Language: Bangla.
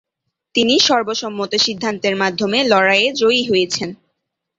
তিনি সর্বসম্মত সিদ্ধান্তের মাধ্যমে লড়াইয়ে জয়ী হয়েছেন।